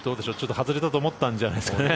外れたと思ったんじゃないですかね。